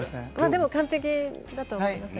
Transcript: でも完璧だと思います。